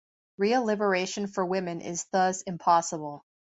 Real liberation for women is thus impossible.